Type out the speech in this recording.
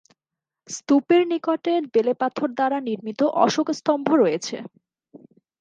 স্তূপের নিকটে বেলেপাথর দ্বারা নির্মিত অশোক স্তম্ভ রয়েছে।